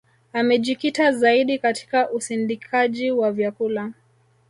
Amejikita zaidi katika usindikaji wa vyakula